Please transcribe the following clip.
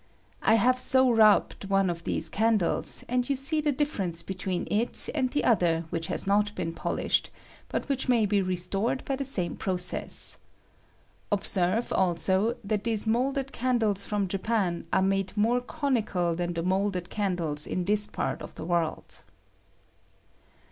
I have 80 rubbed one of these candles, and you see the difference between it and the other which has not been polished, but which may be restored by the same process. Observe, also, that these moulded candles from Japan are made more conical than the moulded candles in this part of the world.